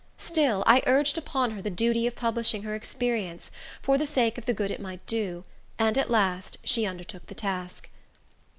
Still, I urged upon her the duty of publishing her experience, for the sake of the good it might do; and, at last, she undertook the task.